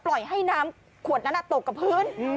ปล่อยให้น้ำขวดนั้นตกกับพื้น